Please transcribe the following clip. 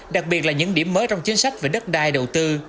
đặc biệt là những điểm mới trong chính sách về đất đai đầu tư